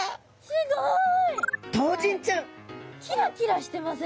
すごい。